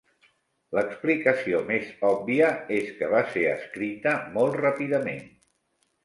L'explicació més obvia és que va ser escrita molt ràpidament.